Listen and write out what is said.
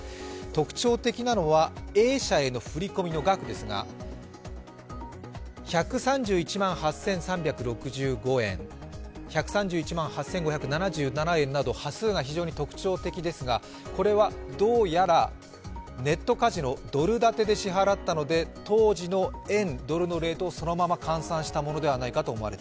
特徴的なのはＡ社への振り込みの額ですが１３１万８３６５円、１３１万８５７７円など端数が非常に特徴的ですが、これはどうやらネットカジノ、ドル建てで支払ったので当時の円ドルのレートでそのまま計算したのではないか。